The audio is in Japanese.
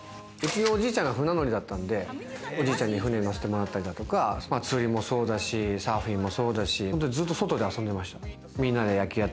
おじいちゃんが船乗りだったんで、船乗せてもらったりだとか、釣りもそうだし、サーフィンもそうだし、ずっと外で遊んでました。